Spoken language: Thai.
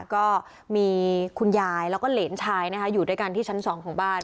ก็มีคุณยายแล้วก็เหรนชายนะคะอยู่ด้วยกันที่ชั้น๒ของบ้าน